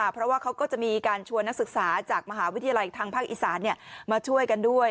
เพราะว่าเขาก็จะมีการชวนนักศึกษาจากมหาวิทยาลัยทางภาคอีสานมาช่วยกันด้วย